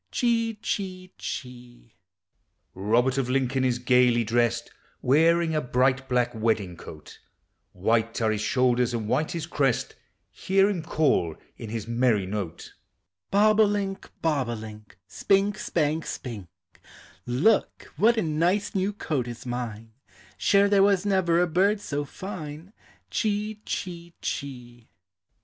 Chee, chee, chee. Robert of Lincoln is gayly dressed, Wearing a bright black wedding coat; White are his shoulders and white his crest, Hear him call in his merry note: Bob o' link, bob o' link, Spink, spank, spink ; Look, what a nice new coat is mine, Sure there was never a bird so fine. Chee, chee, chee.